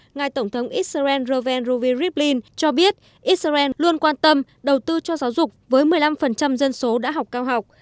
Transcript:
ngài tổng thống israel reuven ruvi rivlin cho biết israel luôn quan tâm đầu tư cho giáo dục với một mươi năm dân số đã học cao học